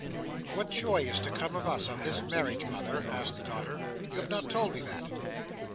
"What joy is to come to us of this marriage, mother?" asked the daughter. "You have not told me that."